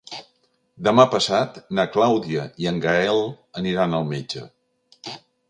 Demà passat na Clàudia i en Gaël aniran al metge.